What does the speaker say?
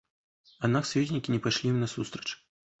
Аднак саюзнікі не пайшлі ім насустрач.